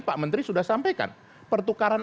pak menteri sudah sampaikan pertukaran